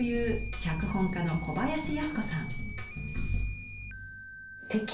脚本家の小林靖子さん。